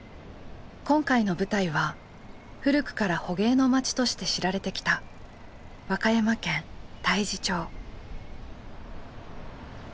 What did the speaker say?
今回の舞台は古くから捕鯨の町として知られてきた和歌山県太地町。